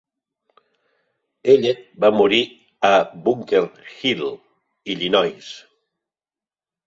Ellet va morir a Bunker Hill, Illinois.